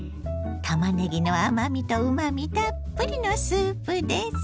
たまねぎの甘みとうまみたっぷりのスープです。